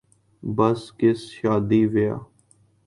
بس کس شادی بیاہ